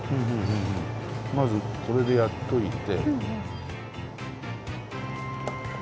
まずこれでやっておいて。